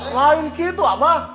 lain gitu abah